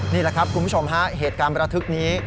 นี่แหละครับคุณผู้ชมฮะเหตุการณ์ประทึกนี้